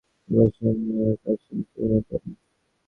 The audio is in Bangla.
তিনি পুরোদস্তুর বৈজ্ঞানিক গবেষণার কাজে আত্মনিয়োগ করেন।